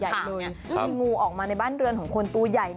มีงูออกมาในบ้านเรือนของคนตัวใหญ่